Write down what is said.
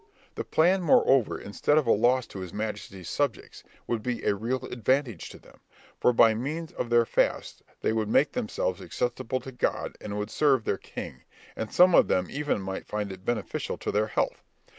The plan, moreover, instead of a loss to his majesty's subjects, would be a real advantage to them; for by means of their fasts they would make themselves acceptable to God and would serve their king, and some of them even might find it beneficial to their health.